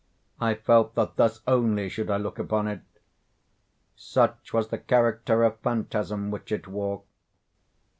I felt that thus only should I look upon it—such was the character of phantasm which it wore.